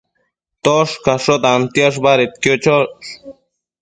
Toshcasho tantiash badedquio chosh